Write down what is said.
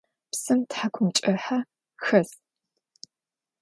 Псым тхьакӏумкӏыхьэ хэс.